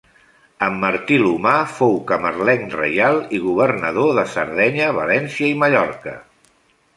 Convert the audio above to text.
Amb Martí l'Humà fou camarlenc reial i governador de Sardenya, València i Mallorca.